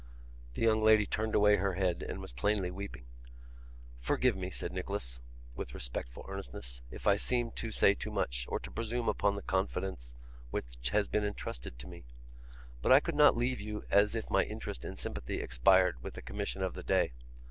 The young lady turned away her head, and was plainly weeping. 'Forgive me,' said Nicholas, with respectful earnestness, 'if I seem to say too much, or to presume upon the confidence which has been intrusted to me. But I could not leave you as if my interest and sympathy expired with the commission of the day.